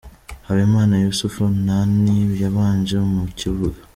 Habimana Yuusf Nani yabanje mu kibuga.